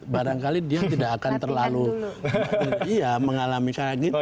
barangkali dia tidak akan terlalu mengalami sekarang gitu